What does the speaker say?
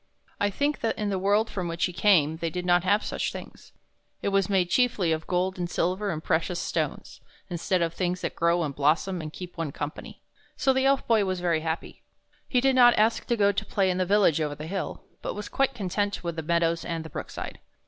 I think that in the world from which he came they did not have such things: it was made chiefly of gold and silver and precious stones, instead of things that grow and blossom and keep one company. So the Elf Boy was very happy. He did not ask to go to play in the village over the hill, but was quite content with the meadows and the brook side.